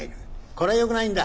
これはよくないんだ。